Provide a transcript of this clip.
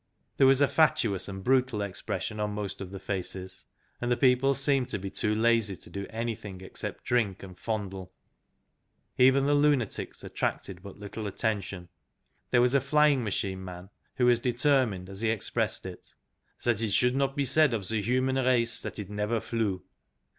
There was a fatuous and brutal expression on most of the faces, and the people seemed to be too lazy to do anything except drink and fondle. Even the lunatics attracted but little attention. There was a flying machine man who was determined, as he expressed it, " that it should not be said of the human race that it never flew."